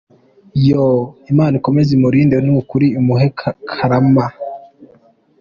Yooooh Imana ikomeze imurinde nukuri Imuhe kuramaa.